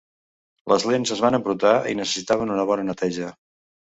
Les lents es van embrutar i necessitaven una bona neteja.